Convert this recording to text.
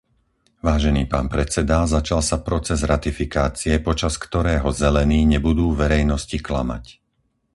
Vážený pán predseda, začal sa proces ratifikácie, počas ktorého Zelení nebudú verejnosti klamať.